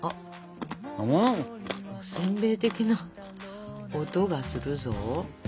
せんべい的な音がするぞ。